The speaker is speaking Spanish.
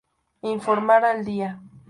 Informar al día.